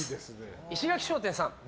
石垣商店さん。